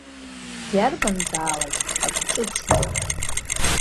Иарбанзаалак акы ҿыцым.